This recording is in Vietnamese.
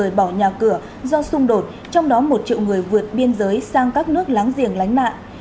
rời bỏ nhà cửa do xung đột trong đó một triệu người vượt biên giới sang các nước láng giềng lánh nạn